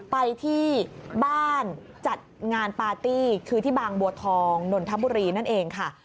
ไปที่บ้านจัดงานปาร์ตี้คือที่บางบัวทองนนทบุรีนั่นเองค่ะ